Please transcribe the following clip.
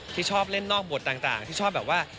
ที่ชอบเล่นนอกบทต่างที่ชอบแบบว่า